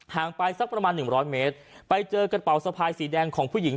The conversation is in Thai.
ห่างไปสักประมาณ๑๐๐เมตรไปเจอกระเป๋าสภายสีแดงของผู้หญิง